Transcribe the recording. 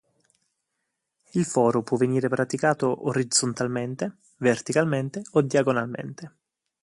Il foro può venire praticato orizzontalmente, verticalmente o diagonalmente.